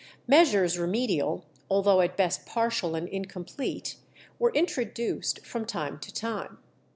Measures remedial, although at best partial and incomplete, were introduced from time to time.